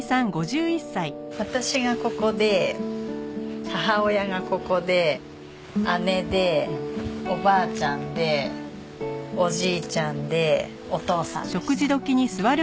私がここで母親がここで姉でおばあちゃんでおじいちゃんでお父さんでした。